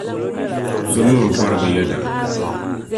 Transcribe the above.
bɛ mi bɛ bɔri bɛ yεda.